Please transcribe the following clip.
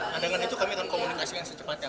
nah dengan itu kami akan komunikasi yang secepatnya